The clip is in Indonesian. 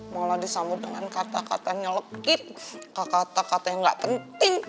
mulai disambut dengan kata katanya legit kata kata yang gak penting